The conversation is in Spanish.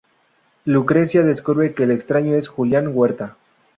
Lucrecia descubre que el extraño es Julián Huerta.